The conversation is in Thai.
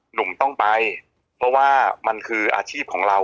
หนุ่มต้องไปเพราะว่ามันคืออาชีพของเรา